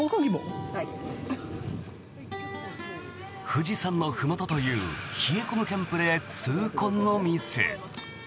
富士山のふもとという冷え込むキャンプで痛恨のミス。